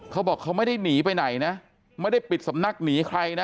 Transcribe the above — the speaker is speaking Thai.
เขาบอกเขาไม่ได้หนีไปไหนนะไม่ได้ปิดสำนักหนีใครนะ